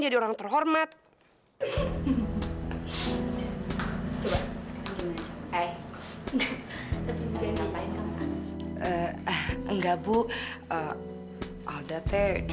tapi tepati seone orang ini lalu